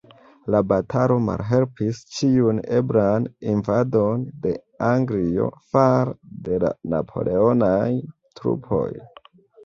La batalo malhelpis ĉiun eblan invadon de Anglio fare de la napoleonaj trupoj.